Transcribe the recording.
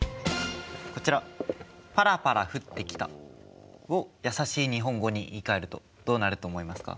こちら。をやさしい日本語に言いかえるとどうなると思いますか？